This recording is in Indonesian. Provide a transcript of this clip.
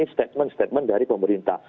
statement statement dari pemerintah